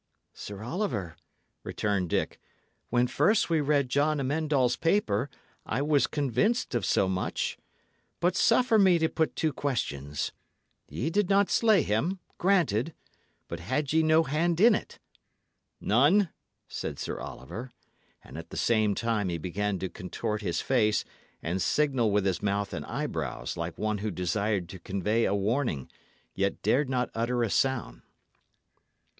"Sir Oliver," returned Dick, "when first we read John Amend All's paper, I was convinced of so much. But suffer me to put two questions. Ye did not slay him; granted. But had ye no hand in it?" "None," said Sir Oliver. And at the same time he began to contort his face, and signal with his mouth and eyebrows, like one who desired to convey a warning, yet dared not utter a sound.